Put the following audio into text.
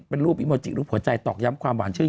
เป็นรูปอิโมจิรูปหัวใจตอกย้ำความหวานชื่น